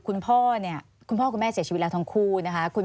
คุณพ่อคุณแม่เสียชีวิตด้วยอยู่รัชทองคู่